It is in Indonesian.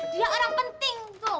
dia orang penting